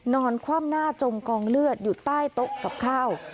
คว่ำหน้าจมกองเลือดอยู่ใต้โต๊ะกับข้าว